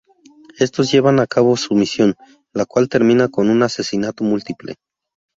Estos llevan a cabo su misión, la cual termina con un asesinato múltiple.